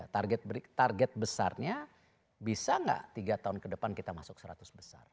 target besarnya bisa nggak tiga tahun ke depan kita masuk seratus besar